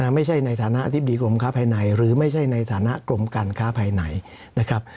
ในฐานะอธิบดีกรมค้าภายในหรือไม่ใช่ในฐานะกรมการค้าภายในนะครับ